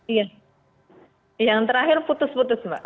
iya yang terakhir putus putus mbak